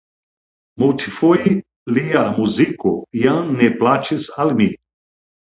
Multfoje lia muziko jam ne plaĉis al mi.